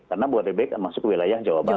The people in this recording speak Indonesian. karena buat debek masuk ke wilayah jawa barat